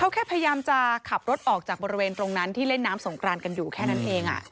เขาแค่พยายามจะขับรถออกจากบริเวณตรงนั้นที่เล่นน้ำสงกรานกันอยู่แค่นั้นเอง